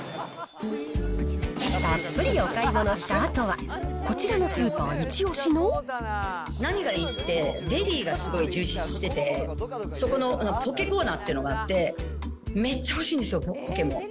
たっぷりお買い物したあとは、何がいいって、デリがすごい充実してて、そこのポケコーナーというのがあって、めっちゃおいしいんですよ、ポケも。